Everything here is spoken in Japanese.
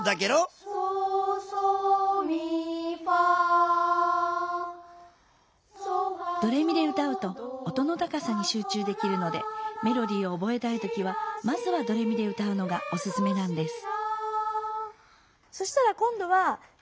まずはドレミで歌うと音の高さにしゅうちゅうできるのでメロディーを覚えたい時はまずはドレミで歌うのがおすすめなんです。